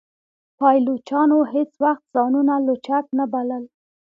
پایلوچانو هیڅ وخت ځانونه لوچک نه بلل.